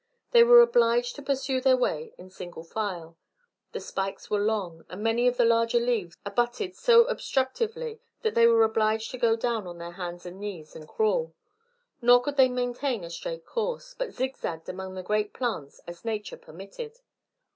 They were obliged to pursue their way in single file; the spikes were long, and many of the larger leaves abutted so obstructively that they were obliged to go down on their hands and knees and crawl. Nor could they maintain a straight course, but zig zagged among the great plants as nature permitted.